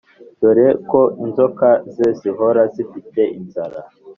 dore ko inzoka ze zihora zifite inzara